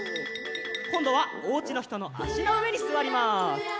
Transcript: こんどはおうちのひとのあしのうえにすわります。